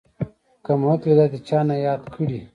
کمقلې دادې چانه ياد کړي.